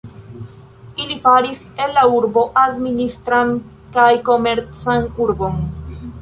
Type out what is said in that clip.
Ili faris el la urbo administran kaj komercan urbon.